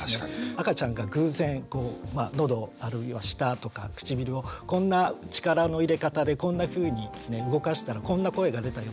赤ちゃんが偶然のどあるいは舌とか唇をこんな力の入れ方でこんなふうに動かしたらこんな声が出たよ。